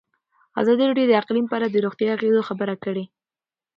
ازادي راډیو د اقلیم په اړه د روغتیایي اغېزو خبره کړې.